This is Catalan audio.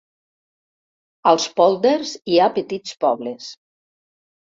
Als pòlders hi ha petits pobles.